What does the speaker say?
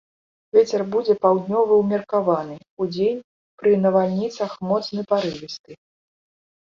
Вецер будзе паўднёвы ўмеркаваны, удзень пры навальніцах моцны парывісты.